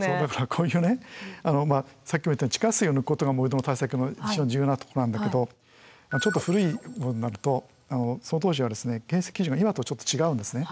こういうねさっきも言ったように地下水を抜くことが盛り土の対策の一番重要なとこなんだけどちょっと古いものになるとその当時は建設基準が今とちょっと違うんですね。